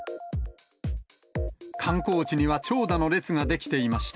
観光地には長蛇の列が出来ていました。